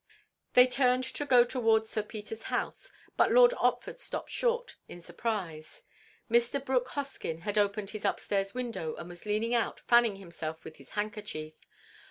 They turned to go towards Sir Peter's house; but Lord Otford stopped short, in surprise. Mr. Brooke Hoskyn had opened his upstairs window and was leaning out, fanning himself with his handkerchief.